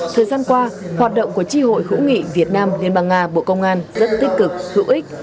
thời gian qua hoạt động của tri hội hữu nghị việt nam liên bang nga bộ công an rất tích cực hữu ích